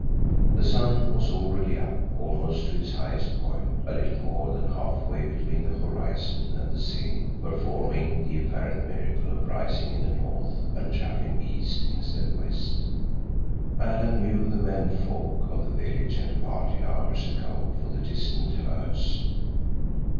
The sun was already up almost to its highest point, a little more than half way between the horizon and the zenith, performing the apparent miracle of rising in the north and traveling east instead of west. Alan knew the men folk of the village had departed hours ago for the distant herds.